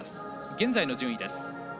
現在の順位です。